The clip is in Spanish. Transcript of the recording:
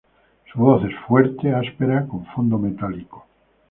Su voz es fuerte, áspera, con fondo metálico.